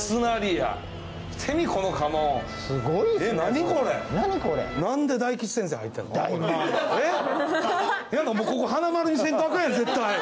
やっぱもうここ華丸にせんとアカンやん絶対。